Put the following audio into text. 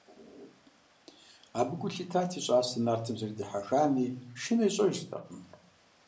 Абы гу лъитат и щӀасэр нартым зэрыдихьэхами, шынэ ищӀэжыртэкъым.